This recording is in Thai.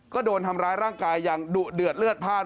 ก็โดนทำร้ายร่างกายอย่างดุเดือดเลือดพลาด